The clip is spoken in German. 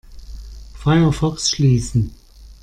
Firefox schließen.